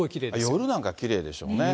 夜なんかきれいでしょうね。